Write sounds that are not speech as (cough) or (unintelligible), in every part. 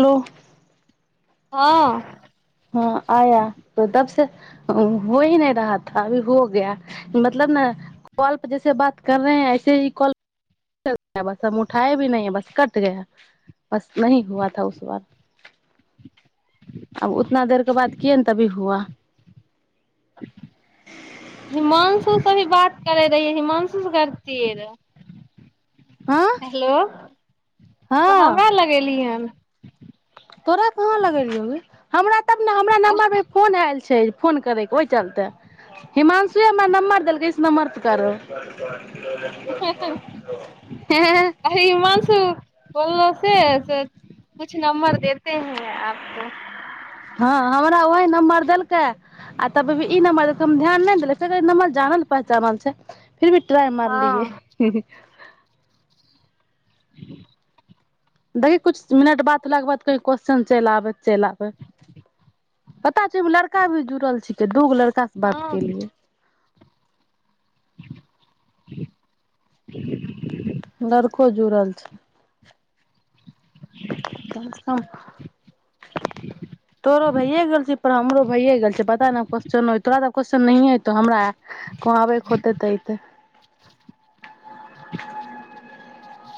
hello हँ आया तो (unintelligible) (unintelligible) (unintelligible) (unintelligible) हिमांशु से भी बात करै रहिए हिमांशु करतीये रेहा हाँ हेलो तु हाँ हमरा लगेलिहन तोरा कहाँ लगेलियौ गे हमरा तब न हमरा नंबर पर फोन आएल छै फोन करै के ओय चलते हिमांशु से हमरा नंबर देलकै इस नंबर पर करो हें हें ह ह बोल लक या से कुछ नंबर देते हें आप को हाँ हमरा ओहि नंबर देलकै आ तब भी इ नंबर देलकै हम ध्यान नहि देलिए नंबर जानल पहचानल छै फिर भी ट्राय मारलिए हँ (inaudible) दहीं कुछ मिनट बाद कुछ कौहचन चल आबै त चलि आबै पता छो एगो लड़का भी जुड़ल छै जे दु गो लड़का से बात हँ केलिए (unintelligible) लड़को जुड़ल छै कम से कम तोरो भये गेल छै थोड़ा हमरो भये गेल छै पता नहि क्वेश्चनो एते तोरा त आब क्वेश्चन नहियै एतो हमरा आए कहूँ आबै के होतै त एतेए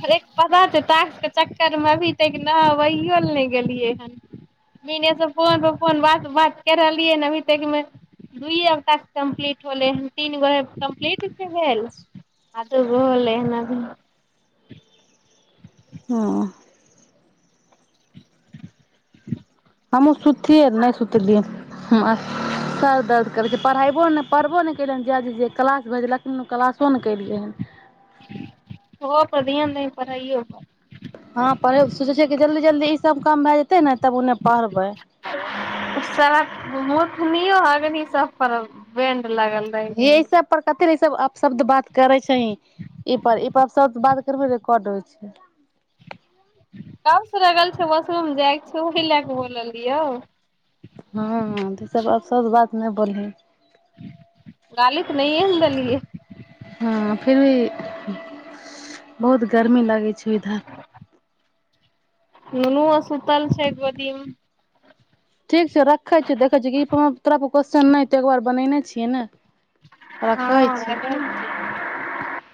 हरे क पता छौ टास्क के चक्कर मे अभी तक नहबै ला नहि गेलिए हन दिने स फोन पर भट भट कर रहलिए हन अभी तक मे दूये गो टास्क कम्प्लीट होले हन तीन गो हेय कम्प्लीट भेल आ दूगो होलेहन अभी हँ हूँ सूतीय रह नै सुतलिए सर दर्द करै छे पढ़ाईबो न पढ़बो नै केलिए हन जीजी जी जे क्लास भेजलखिन ओ क्लासो नहि केलिए हन ओ पर ध्यान दिहीं पढ़ैयै पर हाँ पढ़ै सोचे छिय जल्दी जल्दी इ सब काम भ जेतै न तब उने पढ़बै (unintelligible) लगल रहै कै लाय ई सब अपशब्द बात करै छिहीं ई पर ई पर अपशब्द बात करबिहीं रेकार्ड होइ छै कब से लागल छे बाथरूम जायके छै उहि लाए क बोललियौ हाँ ई सब अपशब्द बात नै बोलहीँ गाली त नहिये देलिए हूँ फिर भी बहुत गर्मी लागै छो इधर नुनओ सुतल छै गोदी मे ठीक छौ रखै छियौ देखै छियै ई पर तोरा पर क्वेश्चन नै एतो एक बार बनैने छिय न हाँ - (unintelligible)